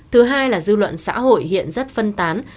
thứ hai là dư luận xã hội hiện rất phân tán